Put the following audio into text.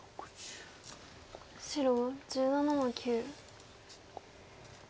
白１７の九。